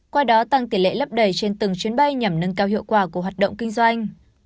qua đó tăng tỷ lệ lấp đầy trên từng chuyến bay nhằm nâng cao hiệu quả của hoạt động kinh doanh